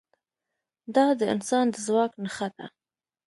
دا د انسان د ځواک نښه ده.